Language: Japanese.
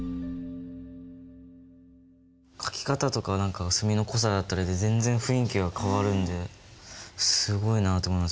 書き方とか墨の濃さだったりで全然雰囲気が変わるんですごいなと思いました。